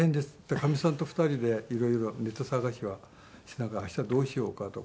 かみさんと２人で色々ネタ探しはしながら明日どうしようかとか。